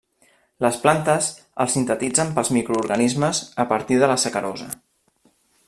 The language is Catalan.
Les plantes els sintetitzen pels microorganismes a partir de la sacarosa.